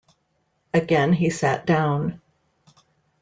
Again he sat down.